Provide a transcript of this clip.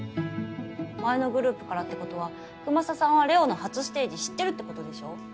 前のグループからってことはくまささんはれおの初ステージ知ってるってことでしょ？